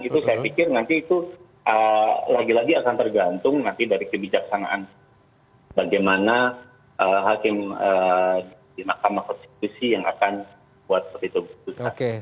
itu saya pikir nanti itu lagi lagi akan tergantung nanti dari kebijaksanaan bagaimana hakim di mahkamah konstitusi yang akan buat seperti itu